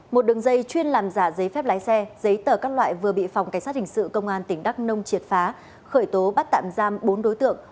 một đường dây chuyên làm giả giấy phép lái xe giấy tờ các loại vừa bị phòng cảnh sát hình sự công an tỉnh đắk nông triệt phá khởi tố bắt tạm giam bốn đối tượng